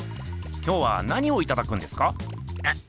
今日は何をいただくんですか？